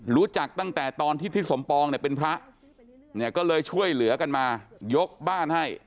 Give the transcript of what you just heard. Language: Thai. รู้จักตั้งแต่ตอนที่ทิศสมปองเนี่ยเป็นพระเนี่ยก็เลยช่วยเหลือกันมายกบ้านให้